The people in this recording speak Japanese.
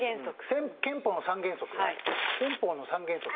憲法の三原則。